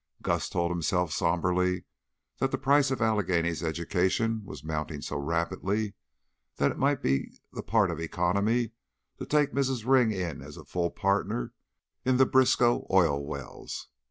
Gus told himself somberly that the price of Allegheny's education was mounting so rapidly that it might be the part of economy to take Mrs. Ring in as a full partner in the Briskow oil wells.